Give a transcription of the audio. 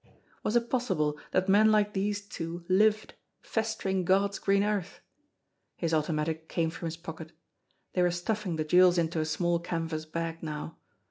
Was it possible that men like these two lived, festering God's green earth ! His automatic came from his pocket. They were stuffing the jewels into a small canvas bag now.